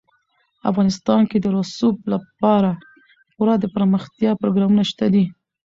افغانستان کې د رسوب لپاره پوره دپرمختیا پروګرامونه شته دي.